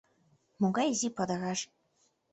Могай изи падыраш...